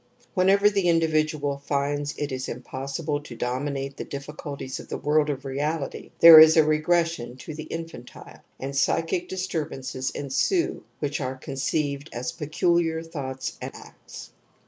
Whenever the individual finds ■ it impossible to dominate the difficulties of the \ world of reality there is a regression to the ; infantile, and psychic disturbances ensue which are conceived as peculiar thoughts and acts.